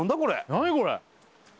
何これ！？